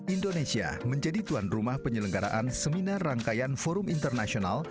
indonesia menjadi tuan rumah penyelenggaraan seminar rangkaian forum internasional